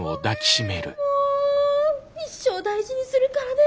一生大事にするからね。